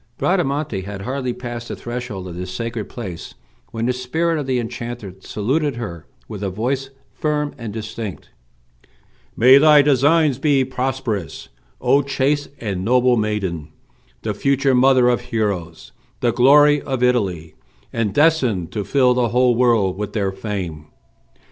Bradamante had hardly passed the threshold of this sacred place when the spirit of the enchanter saluted her with a voice firm and distinct: "May thy designs be prosperous, O chaste and noble maiden, the future mother of heroes, the glory of Italy, and destined to fill the whole world with their fame.